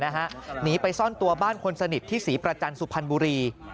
หนีไปซ่อนตัวบ้านคนสนิทที่ศรีประจันทร์สุพรรณบุรี